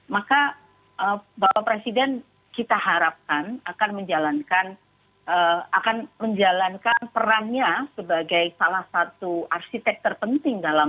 maka bapak presiden kita harapkan akan menjalankan akan menjalankan perannya sebagai salah satu arsitek terpenting dalam